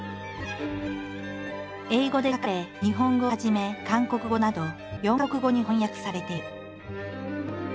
英語で書かれ日本語をはじめ韓国語など４か国語に翻訳されている。